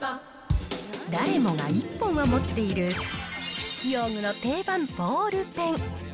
誰もが１本は持っている筆記用具の定番、ボールペン。